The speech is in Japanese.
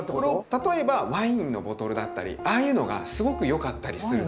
例えばワインのボトルだったりああいうのがすごくよかったりする。